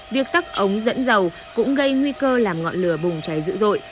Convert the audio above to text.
việc tắt ống dẫn dầu cũng gây nguy cơ làm ngọn lửa bùng cháy dữ dội